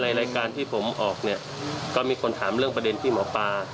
รายการที่ผมออกเนี่ยก็มีคนถามเรื่องประเด็นที่หมอปลา